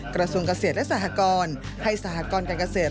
กระทรวงเกษตรและสหกรให้สหกรการเกษตร